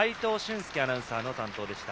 介アナウンサーの担当でした。